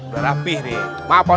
saya pengguna pakde